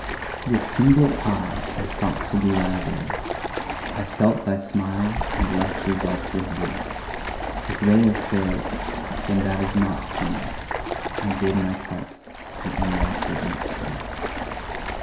With single eye I sought to do Thy will. I felt Thy smile and left results with Thee; If they have failed, then that is naught to me I did my part, and am Thy servant still.